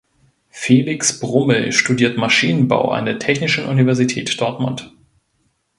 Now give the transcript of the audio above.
Felix Brummel studiert Maschinenbau an der Technischen Universität Dortmund.